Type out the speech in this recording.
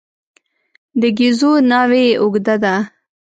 د ګېزو ناوې اوږده ده.